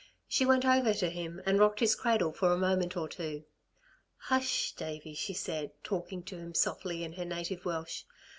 She went over to him and rocked his cradle for a moment or two. "Hush, Davey," she said talking to him softly in her native Welsh.